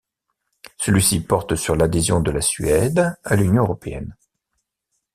Celui-ci porte sur l'adhésion de la Suède à l'Union européenne.